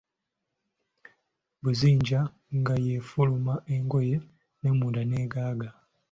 Buzinja nga ye efuluma engoye n'emmundu n'engaga.